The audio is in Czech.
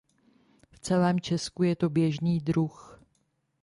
V celém Česku je to běžný druh.